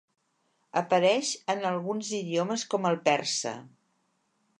Apareix en alguns idiomes com el persa.